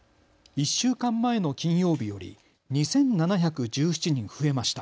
１週間前の金曜日より２７１７人増えました。